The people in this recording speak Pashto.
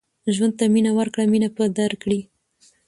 ژوند ته مینه ورکړه مینه به درکړي